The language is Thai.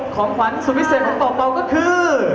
ของขวัญสุดพิเศษของต่อไปก็คือ